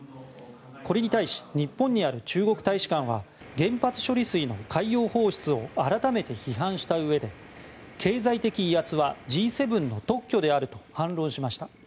これに対し日本にある中国大使館は原発処理水の海洋放出を改めて批判したうえで経済的威圧はＧ７の特許であると反論しました。